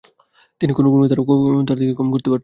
তিনি কোনক্রমেই তার থেকে কম করতে পারতেন না।